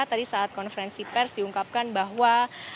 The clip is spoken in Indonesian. tadi saat konferensi pers diungkapkan bahwa